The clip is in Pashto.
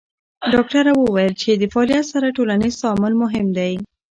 ډاکټره وویل چې د فعالیت سره ټولنیز تعامل مهم دی.